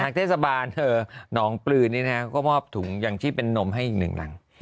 เทศบาลหนองปลือนี่นะก็มอบถุงอย่างที่เป็นนมให้อีกหนึ่งหลัง